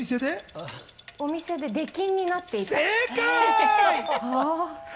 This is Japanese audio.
お店で出禁になっていた。